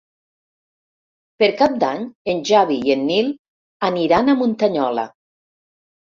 Per Cap d'Any en Xavi i en Nil aniran a Muntanyola.